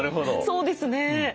そうですね。